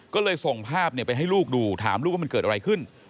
ก็เลยส่งภาพไปให้ลูกดูถามลูกว่ามันเกิดอะไรขึ้น